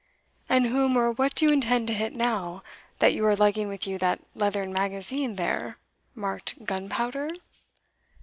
"And whom or what do you intend to hit now, that you are lugging with you that leathern magazine there, marked Gunpowder?"